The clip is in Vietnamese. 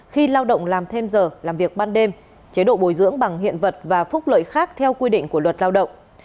khi lao động làm thêm giờ làm việc ban đêm chế độ bồi dưỡng bằng hiện vật và phúc lợi khác theo quy định của luật lao động